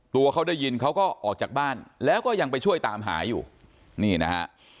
ตัวเขาได้ยินเขาก็ออกจากบ้านแล้วก็ยังไปช่วยตามหาอยู่นี่นะฮะ